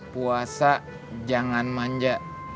puasa jangan manja